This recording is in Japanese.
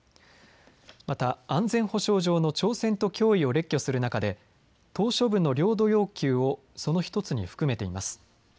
また安全保障上の挑戦と脅威を列挙する中で、島しょ部の領土要求をその１つに含めています。